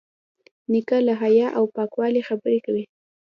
نیکه له حیا او پاکوالي خبرې کوي.